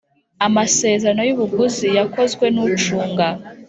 Amasezerano y ubuguzi yakozwe n ucunga